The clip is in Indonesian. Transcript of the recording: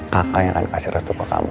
kakak yang akan kasih restu ke kamu